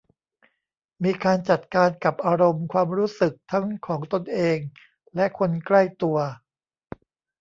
มีการจัดการกับอารมณ์ความรู้สึกทั้งของตนเองและคนใกล้ตัว